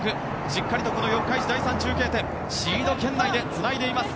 しっかり四日市第３中継点シード圏内でつないでいます。